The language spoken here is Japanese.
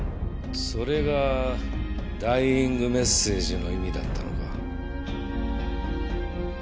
それがダイイングメッセージの意味だったのか。